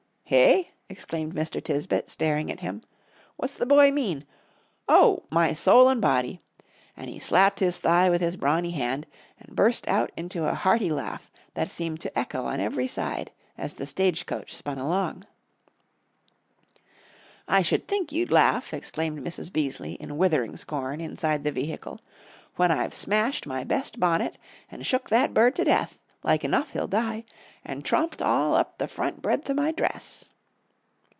"Hey?" exclaimed Mr. Tisbett, staring at him. "What's the boy mean? Oh, my soul an' body!" And he slapped his thigh with his brawny hand, and burst out into a hearty laugh that seemed to echo on every side, as the stage coach spun along. "I sh'd think you'd laugh," exclaimed Mrs. Beaseley, in withering scorn, inside the vehicle, "when I've smashed my best bonnet, and shook that bird to death like enough he'll die and tromped all up the front breadth to my dress."